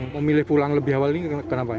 memilih pulang lebih awal ini kenapa